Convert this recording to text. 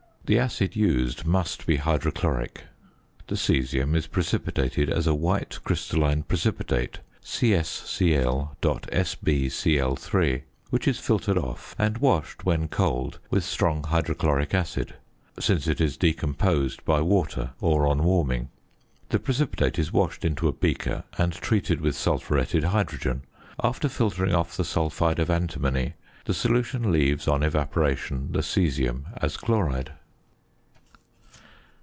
The acid used must be hydrochloric. The caesium is precipitated as a white crystalline precipitate (CsCl.SbCl_), which is filtered off, and washed, when cold, with strong hydrochloric acid; since it is decomposed by water or on warming. The precipitate is washed into a beaker, and treated with sulphuretted hydrogen; after filtering off the sulphide of antimony, the solution leaves, on evaporation, the caesium as chloride.